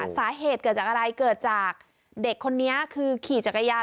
สาเหตุเกิดจากอะไรเกิดจากเด็กคนนี้คือขี่จักรยาน